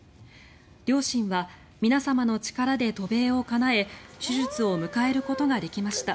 両親は皆様の力で渡米をかなえ手術を迎えることができました